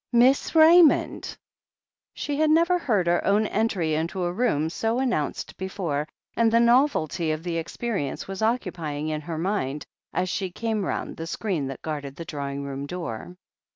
"Miss Raymond r She had never heard her own entry into a room so announced before, and the novelty of the experience was occupying her mind as she came round the screen that guarded the drawing room door.